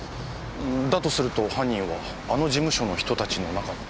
だとすると犯人はあの事務所の人たちの中に？